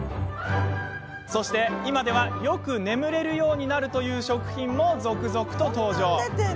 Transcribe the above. そして今ではよく眠れるようになるという食品も続々と登場。